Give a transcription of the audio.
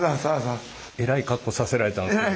えらい格好させられたんですけども。